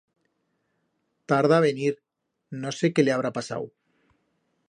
Tarda a venir, no sé que le habrá pasau.